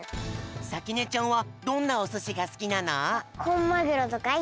さきねちゃんはどんなおすしがすきなの？